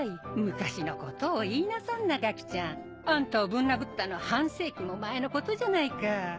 昔のことを言いなさんながきちゃんあんたをぶん殴ったのは半世紀も前のことじゃないか。